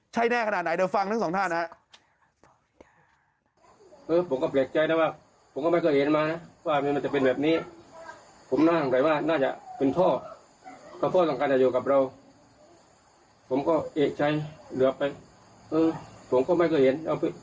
ใช่แน่ขนาดไหนเดี๋ยวฟังทั้งสองท่านนะครับ